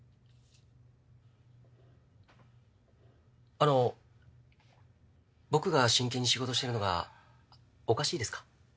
あの僕が真剣に仕事してるのがおかしいですか？